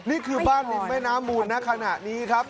นี่คือบ้านริมแม่น้ำมูลณขณะนี้ครับ